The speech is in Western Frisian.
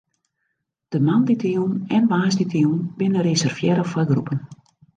De moandeitejûn en woansdeitejûn binne reservearre foar groepen.